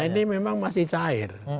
ini memang masih cair